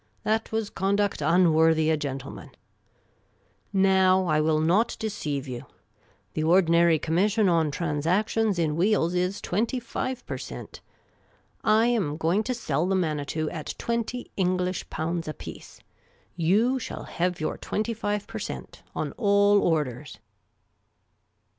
That was conduct unworthy ^a gentleman. 94 Miss Cayley's Adventures Now, I will not deceive j'oii. The ordinary commission on transactions in wheels is twentj' five per cent. I am going to sell the Manitou at twenty English pounds apiece. You shall hev your twenty five per cent, on all orders."